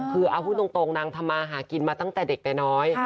คือเอาพูดตรงนางทำมาหากินมาตั้งแต่เด็กแต่น้อย